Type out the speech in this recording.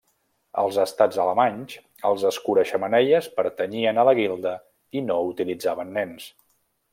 Als Estats alemanys, els escura-xemeneies pertanyien a la guilda i no utilitzaven nens.